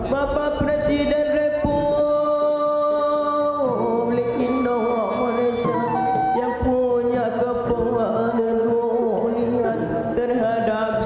bapak presiden republik indonesia yang punya kebohongan terhadap